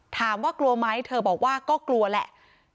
กลัวไหมเธอบอกว่าก็กลัวแหละ